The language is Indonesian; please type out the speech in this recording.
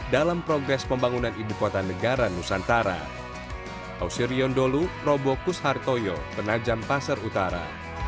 dalam progres pembangunan ibukota negara nusantara